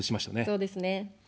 そうですね。